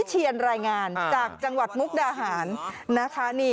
เป็นรายงานจากจังหวัดมุกดาหารนาธานี